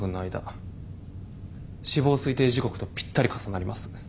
死亡推定時刻とぴったり重なります。